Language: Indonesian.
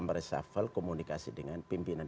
meresafel komunikasi dengan pimpinan